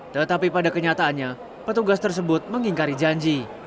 tetapi pada kenyataannya petugas tersebut mengingkari janji